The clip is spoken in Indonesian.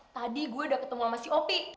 tadi gue udah ketemu sama si opik